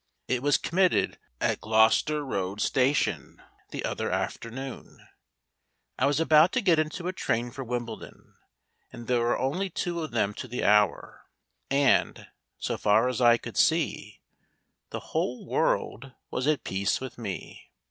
It was committed at Gloucester Road Station the other afternoon. I was about to get into a train for Wimbledon, and there are only two of them to the hour, and, so far as I could see, the whole world was at peace with me.